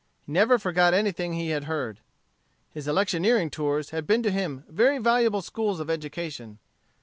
He never forgot anything he had heard. His electioneering tours had been to him very valuable schools of education.